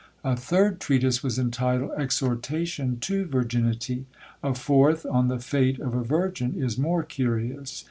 A third treatise was entitled Exhortation to Virginity; a fourth, On the Fate of a Virgin, is more curious.